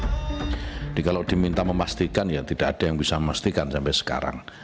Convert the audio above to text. jadi kalau diminta memastikan ya tidak ada yang bisa memastikan sampai sekarang